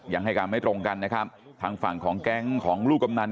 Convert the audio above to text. ยังให้การไม่ตรงกันนะครับทางฝั่งของแก๊งของลูกกำนัน